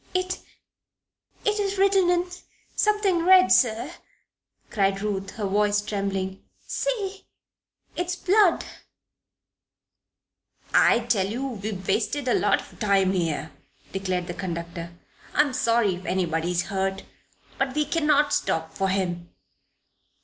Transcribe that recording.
"It it is written in something red, sir," cried Ruth, her voice trembling. "See! It is blood!" "I tell you we've wasted a lot of time here," declared the conductor. "I am sorry if anybody is hurt, but we cannot stop for him.